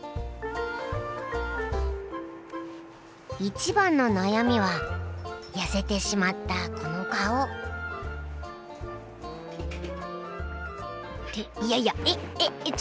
一番の悩みは痩せてしまったこの顔。っていやいやえっえっ？